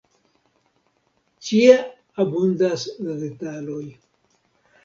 Ĉie abundas la detaloj.